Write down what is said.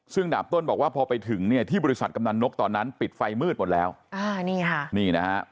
ซึ่งดาบต้นบอกว่าพอไปถึงเนี่ยที่บริษัทกำนันนกตอนนั้นปิดไฟมืดหมดแล้วอ่านี่ค่ะนี่นะฮะ